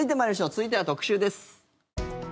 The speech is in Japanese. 続いては特集です。